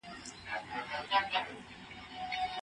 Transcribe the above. مسمومیت یوه حاده ناروغي ده چې ژر درملنه غواړي.